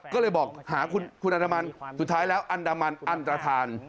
ก็เลยบอกหาคุณอันดามันสุดท้ายแล้วอันดามันอันตรฐาน